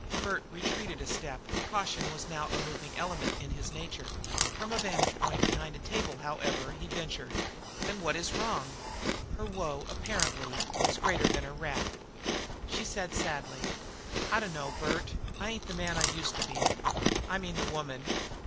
Bert retreated a step; caution was a moving element in his nature. From a vantage point behind a table, however, he ventured: "Then what is wrong?" Her woe, apparently, was greater than her wrath. She said sadly: "I dunno, Bert. I ain't the man I used to be I mean, the woman."